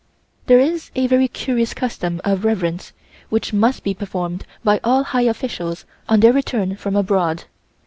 There is a very curious custom of reverence, which must be performed by all high officials on their return from abroad.